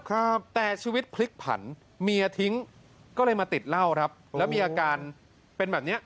ครับแต่ชีวิตพลิกผันเมียทิ้งก็เลยมาติดเหล้าครับแล้วมีอาการเป็นแบบเนี้ย